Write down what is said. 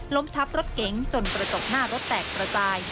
ทับรถเก๋งจนกระจกหน้ารถแตกระจาย